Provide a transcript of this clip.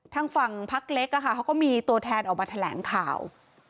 ทางฝั่งพักเล็กเขาก็มีตัวแทนออกมาแถลงข่าว